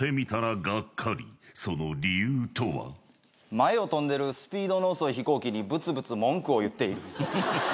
前を飛んでるスピードの遅いヒコーキにブツブツ文句を言っている。